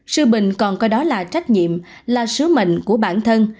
sư bình còn coi đó là trách nhiệm là sứ mệnh của bản thân